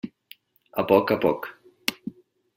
A poc a poc.